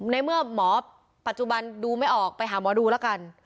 ในเมื่อหมอปัจจุบันดูไม่ออกไปหาหมอดูแล้วกัน